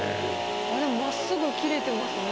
でも真っすぐ切れてますね。